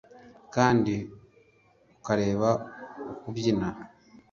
kandi ukareba kubyina